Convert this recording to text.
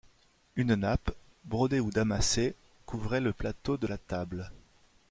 Une nappe, brodée ou damassée, couvrait le plateau de la table.